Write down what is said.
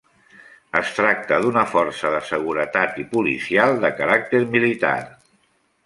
Es tracta d'una força de seguretat i policial de caràcter militar.